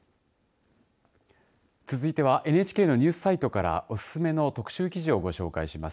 続いてはＮＨＫのニュースサイトからおすすめの特集記事をご紹介します。